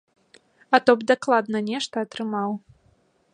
А то б дакладна нешта атрымаў.